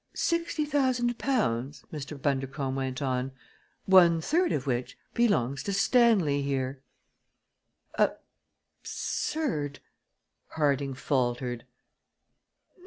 "Sixty thousand pounds," Mr. Bundercombe went on "one third of which belongs to Stanley here." "Absurd!" Harding faltered.